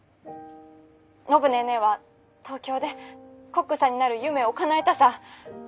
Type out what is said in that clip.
☎暢ネーネーは東京でコックさんになる夢をかなえたさぁ。